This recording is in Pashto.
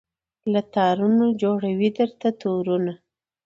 له تارونو جوړوي درته تورونه